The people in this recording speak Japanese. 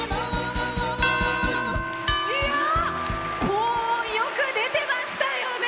高音、よく出てましたよね。